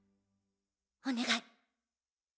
お願い。